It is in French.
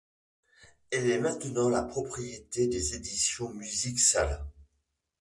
Elle est maintenant la propriété des éditions Music Sales.